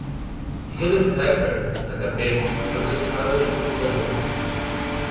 Hewlett-Packard (HP) produz hardware de computador.